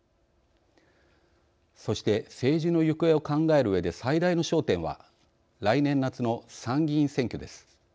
そして政治の行方を考えるうえで最大の焦点は来年夏の参議院選挙です。